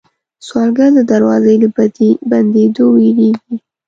سوالګر د دروازې له بندېدو وېرېږي